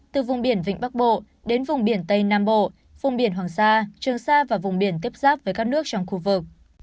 từ vùng biển vịnh bắc bộ đến vùng biển tây nam bộ vùng biển hoàng sa trường sa và vùng biển tiếp giáp với các nước trong khu vực